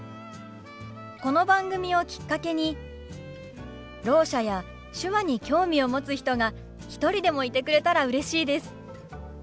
この番組をきっかけにろう者や手話に興味を持つ人が一人でもいてくれたらうれしいです。